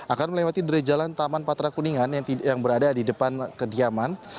akan melewati dari jalan taman patra kuningan yang berada di depan kediaman